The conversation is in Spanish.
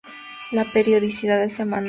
La periodicidad es semanal.